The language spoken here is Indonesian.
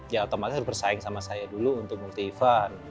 ya otomatis bersaing sama saya dulu untuk multi event